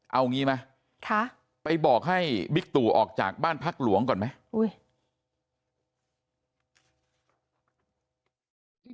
เอาอย่างนี้ไหมไปบอกให้บิกตุออกจากบ้านพักหลวงก่อนไหมอุ๊ย